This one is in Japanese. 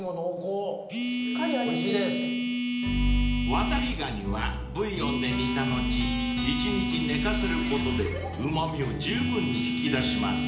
［ワタリガニはブイヨンで煮た後一日寝かせることでうま味をじゅうぶんに引き出します］